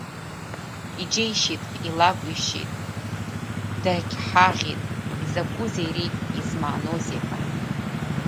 Иџьеишьеит, илакәишьеит, дагьҳаӷьит, изакәызеи ари, измааноузеи ҳәа.